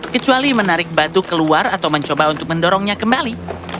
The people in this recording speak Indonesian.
kecuali menarik batu keluar atau mencoba untuk mendorongnya kembali